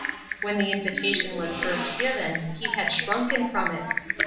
When the invitation was first given, he had shrunken from it.